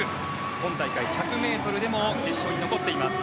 今大会１００ｍでも決勝に残っています。